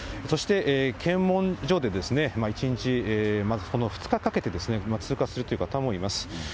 そして検問所で、１日、２日かけて通過するという方もいます。